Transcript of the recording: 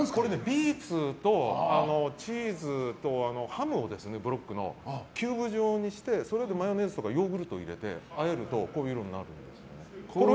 ビーツとチーズとブロックのハムをキューブ状にしてマヨネーズとかヨーグルトを入れて和えるとこういう色になるんですよ。